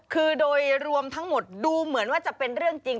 คือโดยรวมทั้งหมดดูเหมือนว่าจะเป็นเรื่องจริง